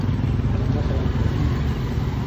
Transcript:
الْمَطَرُ كَثِيرٌ.